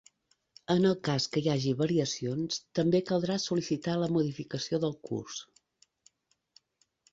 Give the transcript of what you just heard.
En el cas que hi hagi variacions, també caldrà sol·licitar la modificació del curs.